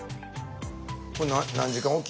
これ何時間おき？